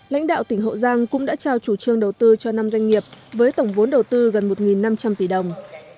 lãnh đạo tỉnh hậu giang cũng đã trao chủ trương đầu tư cho năm doanh nghiệp với tổng vốn đầu tư gần một năm trăm linh tỷ đồng